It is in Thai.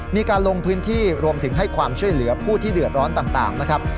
มีการลงพื้นที่รวมถึงให้ความช่วยเหลือผู้ที่เดือดร้อนต่างนะครับ